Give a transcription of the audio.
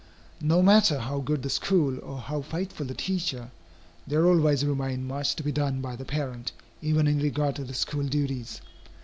No matter how good the school, or how faithful the teacher, there always remains much to be done by the parent, even in regard to the school duties.